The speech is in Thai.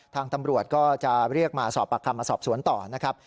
ทางตำรวจก็จะเรียกมาสอบปากคำมาสอบสวนต่อนะครับ